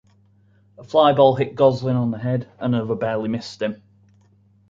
A fly ball hit Goslin on the head, and another barely missed him.